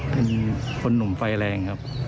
เป็นคนหนุ่มไฟแรงครับ